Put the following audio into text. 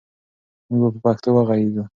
موږ به په پښتو وغږېږو.